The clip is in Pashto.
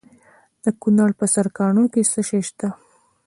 د کونړ په سرکاڼو کې څه شی شته؟